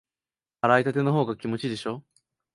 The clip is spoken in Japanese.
洗いたてのほうが気持ちいいでしょ？